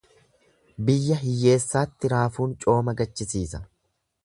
Biyya hiyyeessaatti raafuun cooma gachisiisa.